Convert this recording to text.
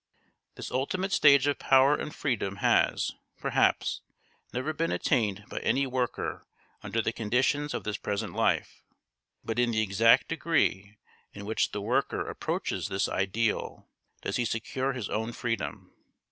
This ultimate stage of power and freedom has, perhaps, never been attained by any worker under the conditions of this present life; but in the exact degree in which the worker approaches this ideal does he secure his own freedom.